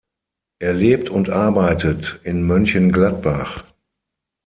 Er lebt und arbeitet in Mönchengladbach.